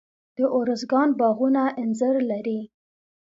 د ارزګان باغونه انځر لري.